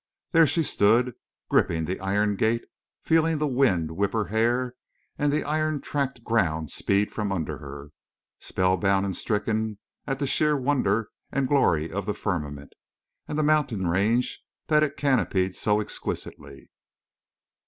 There she stood, gripping the iron gate, feeling the wind whip her hair and the iron tracked ground speed from under her, spellbound and stricken at the sheer wonder and glory of the firmament, and the mountain range that it canopied so exquisitely.